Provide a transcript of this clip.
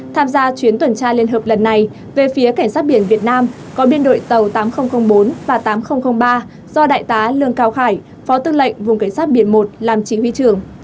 tham gia chuyến tuần tra liên hợp lần này về phía cảnh sát biển việt nam có biên đội tàu tám nghìn bốn và tám nghìn ba do đại tá lương cao khải phó tư lệnh vùng cảnh sát biển một làm chỉ huy trưởng